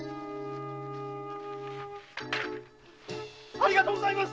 ありがとうございます！